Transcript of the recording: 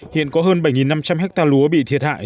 hiện có hơn bảy năm trăm linh hectare lúa bị thiệt hại